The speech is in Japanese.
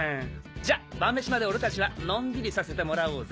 じゃ晩飯まで俺達はのんびりさせてもらおうぜ！